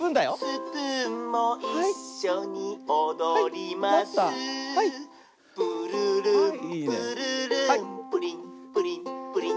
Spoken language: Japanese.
「スプーンもいっしょにおどります」「ぷるるんぷるるんプリンプリンプリン」